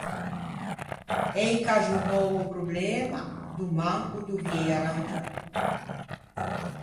Ei caxonou o problema, doman ô doviei arrangiâ.